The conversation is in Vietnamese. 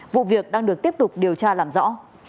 vụ việc đang được tiếp tục điều tra làm rõ